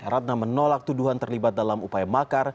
ratna menolak tuduhan terlibat dalam upaya makar